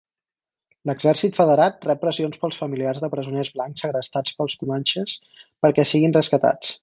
L'exèrcit federat rep pressions pels familiars de presoners blancs segrestats pels comanxes perquè siguin rescatats.